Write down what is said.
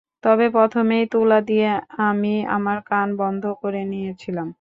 তবে প্রথমেই তুলা দিয়ে আমি আমার কান বন্ধ করে নিয়েছিলাম।